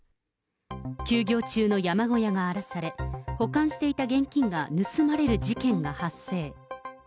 休業中の山小屋が荒らされ、保管していた現金が盗まれる事件が発生。